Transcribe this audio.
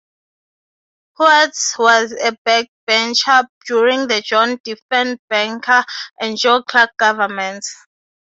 Coates was a backbencher during the John Diefenbaker and Joe Clark governments.